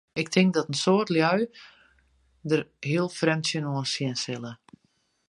Ik tink dat in soad lju dêr heel frjemd tsjinoan sjen sille.